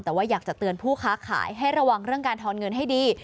แต่ว่าอยากจะเตือนผู้ค้าขายให้ระวังเรื่องการทอนเงินให้ดี